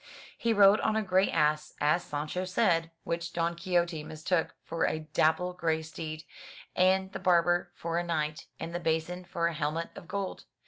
He rode on a grey ass, as Sancho said, which Don Quixote mistook for a dapple grey steed, and the barber for a knight, and the basin for a helmet of gold.